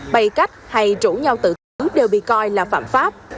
bày cách hay rủ nhau tự tử đều bị coi là phạm pháp